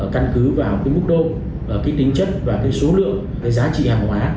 căn cứ vào cái mức độ cái tính chất và cái số lượng cái giá trị hàng hóa